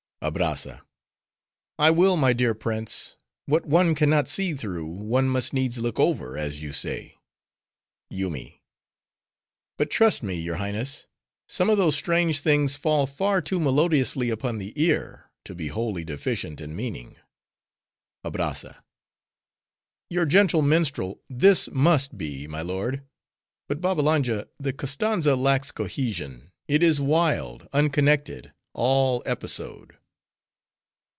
ABRAZZA—I will, my dear prince; what one can not see through, one must needs look over, as you say. YOOMY—But trust me, your Highness, some of those strange things fall far too melodiously upon the ear, to be wholly deficient in meaning. ABRAZZA—Your gentle minstrel, this must be, my lord. But Babbalanja, the Koztanza lacks cohesion; it is wild, unconnected, all episode.